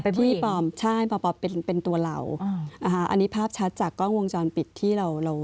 เป็นผู้หญิงใช่เป็นตัวเราอ่าอันนี้ภาพชัดจากกล้องวงจรปิดที่เรา